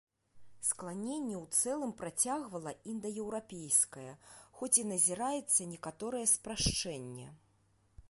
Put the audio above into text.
Скланенне ў цэлым працягвала індаеўрапейскае, хоць і назіраецца некаторае спрашчэнне.